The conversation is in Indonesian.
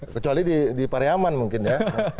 kecuali di pariyaman mungkin ya